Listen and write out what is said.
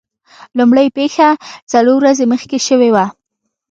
لومړۍ پیښه څلور ورځې مخکې شوې وه.